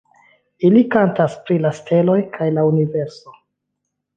Ili kantas pri la steloj kaj la universo.